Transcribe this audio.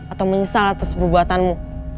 atau menyesal atas perbuatanmu